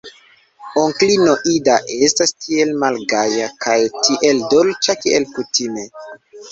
Onklino Ida estas tiel malgaja kaj tiel dolĉa, kiel kutime.